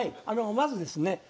まずですね